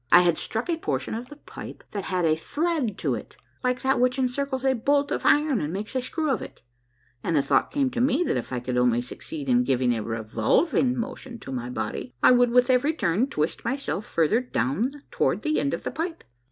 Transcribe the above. I had struck a portion of the pipe that had a thread to it, like that which encircles a bolt of iron and makes a screw of it, and the thought came to me that if I could only succeed in giving a revolving motion to my body, I would with every turn twist myself farther down toward the end of the pipe.